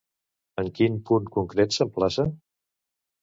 En quin punt concret s'emplaça?